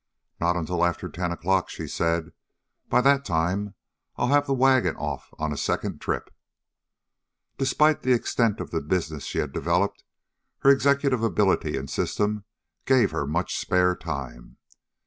"Not until after ten o'clock," she said. "By that time I'll have the wagon off on a second trip." Despite the extent of the business she had developed, her executive ability and system gave her much spare time.